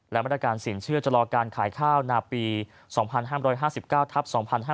และมาตรการสินเชื่อจะรอการขายข้าวนาปี๒๕๕๙ทับ๒๕๕๙